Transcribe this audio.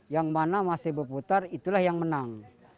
yang mana masih berputar itulah yang menang